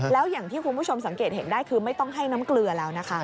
แล้วอย่างที่คุณผู้ชมสังเกตเห็นได้คือไม่ต้องให้น้ำเกลือแล้วนะคะ